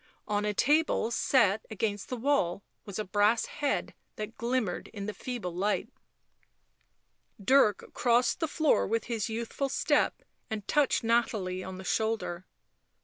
On a table set against the wall was a brass head that glimmered in the feeble light. Dirk crossed the floor with his youthful step and touched Nathalie on the shoulder.